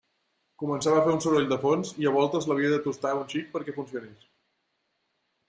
Començava a fer un soroll de fons i a voltes l'havia de tustar un xic perquè funcionés.